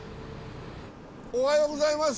おはようございます。